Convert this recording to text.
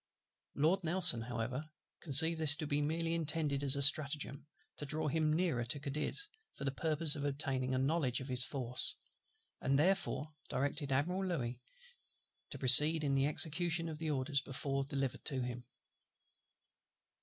Lord NELSON however conceived this to be merely intended as a stratagem, to draw him nearer to Cadiz, for the purpose of obtaining a knowledge of his force; and therefore directed Admiral LOUIS to proceed in the execution of the orders before delivered to him.